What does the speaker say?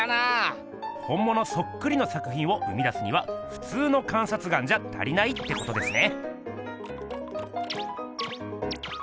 ほんものそっくりの作品を生み出すにはふつうの観察眼じゃ足りないってことですね。